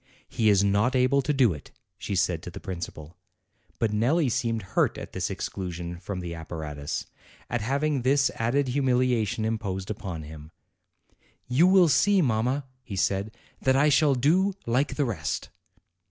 "He is not able to do it," she said to the principal. But Nelli seemed hurt at this exclusion from the ap paratus, at having this added humiliation imposed upon him. 216 APRIL 'You will see, mamma," he said, "that I shall do like the rest."